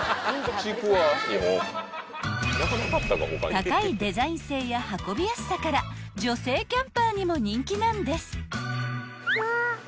［高いデザイン性や運びやすさから女性キャンパーにも人気なんです］